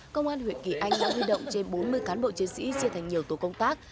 công an huyện kỳ anh đã huy động trên bốn mươi cán bộ chiến sĩ chia thành nhiều tổ công tác